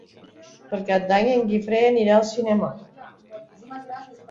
Per Cap d'Any en Guifré anirà al cinema.